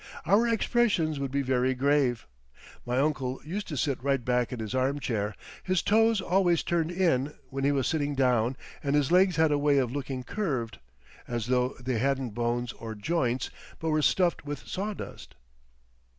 Our expressions would be very grave. My uncle used to sit right back in his armchair; his toes always turned in when he was sitting down and his legs had a way of looking curved, as though they hadn't bones or joints but were stuffed with sawdust.